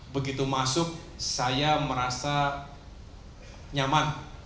begitu masuk saya merasa nyaman